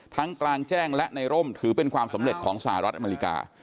กลางแจ้งและในร่มถือเป็นความสำเร็จของสหรัฐอเมริกา